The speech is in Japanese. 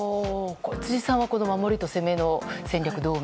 辻さんは、この守りと攻めの戦略